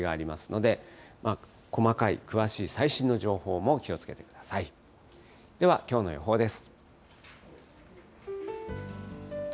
ではきょうの予報です。